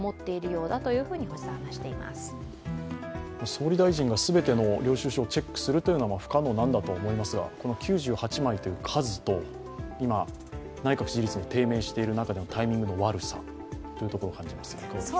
総理大臣が全ての領収書をチェックするというのは不可能なんだと思いますが、この９８枚という数と今、内閣支持率が低迷している中でのタイミングの悪さ、感じますけど。